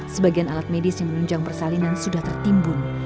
sebagian alat medis yang menunjang persalinan sudah tertimbun